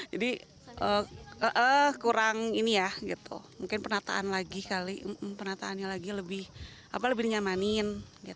jadi kurang ini ya mungkin penataan lagi kali penataannya lagi lebih nyamanin